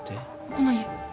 この家。